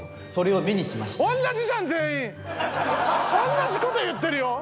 同じ事言ってるよ！